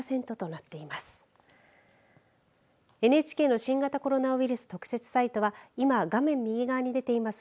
ＮＨＫの新型コロナウイルス特設サイトは今、画面右側に出ています